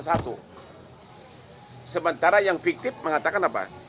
sementara yang fiktif mengatakan apa